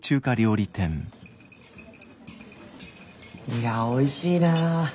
いやおいしいなあ。